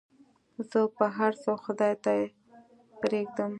زه به هرڅه خداى ته پرېږدم.